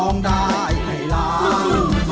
ร้องได้ให้ล้าน